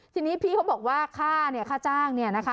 ทีนี้พี่เขาบอกว่าค่าเนี่ยค่าจ้างเนี่ยนะคะ